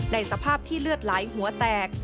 ในสภาพที่เลือดไหลหัวแตก